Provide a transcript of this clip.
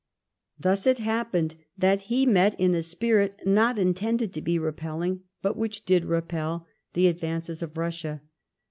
Thus it happened that he met in a spirit, not intended to be repelling, but which did repel, the advances of Russia.